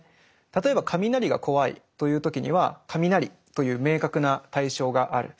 例えば雷が怖いという時には雷という明確な対象がある。